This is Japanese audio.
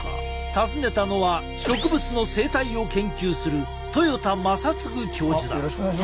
訪ねたのは植物の生態を研究する豊田正嗣教授だ。